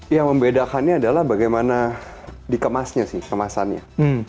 yang membedakannya adalah bagaimana dikemasnya sih kemasannya